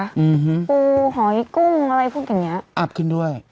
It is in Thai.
อืมปูหอยกุ้งอะไรพวกอย่างเงี้ยอับขึ้นด้วย